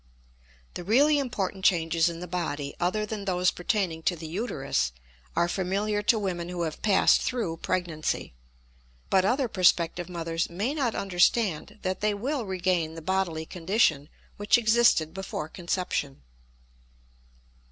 The really important changes in the body, other than those pertaining to the uterus, are familiar to women who have passed through pregnancy; but other prospective mothers may not understand that they will regain the bodily condition which existed before conception.